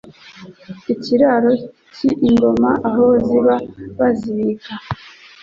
Ikiraro cy'ingoma Aho ziba bazibika